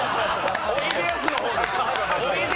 おいでやすの方です。